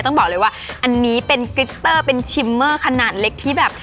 ต้องบอกเลยว่าอันนี้เป็นกริตเตอร์เป็นชิมเมอร์ขนาดเล็กที่แบบ